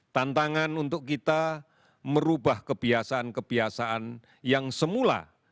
tantangan untuk kita merubah kebiasaan kebiasaan yang semula